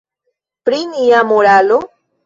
Pri nia moralo?